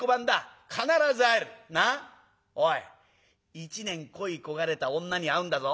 一年恋い焦がれた女に会うんだぞ。